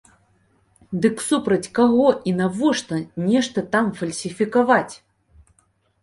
Дык супраць каго і навошта нешта там фальсіфікаваць?